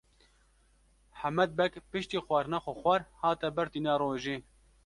Hemed Beg piştî xwarina xwe xwar hate ber tîna rojê.